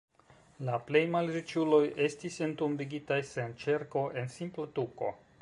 La plej-malriĉuloj estis entombigitaj sen ĉerko, en simpla tuko.